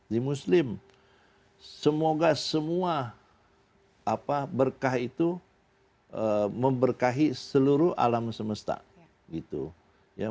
di muslim semoga semua berkah itu memberkahi seluruh alam semesta